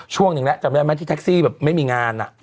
ช่วงหนึ่งแล้วจำได้ไหมที่แท็กซี่แบบไม่มีงาน